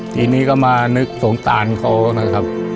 ทีนี้ก็มานึกสงสารเขานะครับ